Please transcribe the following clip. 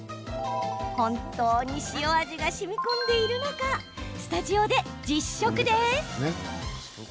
本当に塩味がしみこんでいるのかスタジオで実食です。